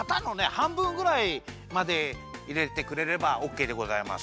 はんぶんぐらいまでいれてくれればオッケーでございます。